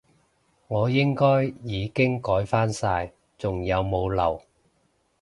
我應該已經改返晒，仲有冇漏？